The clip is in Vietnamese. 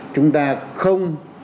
chúng ta không